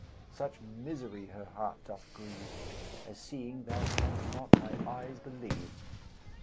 Such misery her heart doth grieve, As, seeing, thou canst not thy eyes believe.